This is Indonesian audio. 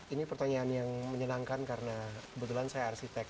ini pertanyaan yang menyenangkan karena kebetulan saya arsitek